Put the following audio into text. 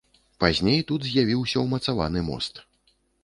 Пазней тут з'явіўся ўмацаваны мост.